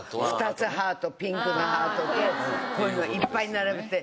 ２つハートピンクのハートとこういうのをいっぱい並べて。